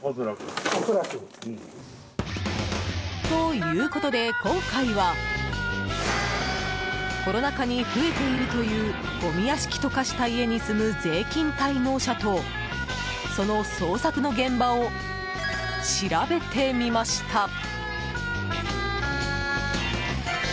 ということで今回はコロナ禍に増えているというごみ屋敷と化した家に住む税金滞納者とその捜索の現場を調べてみました。